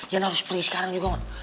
yan harus pergi sekarang juga ma